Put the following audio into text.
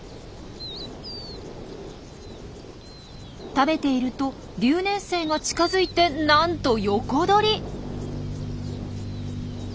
食べていると留年生が近づいてなんと横取り。